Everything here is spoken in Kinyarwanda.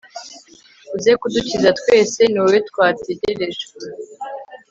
uze kudukiza twese ni wowe twategereje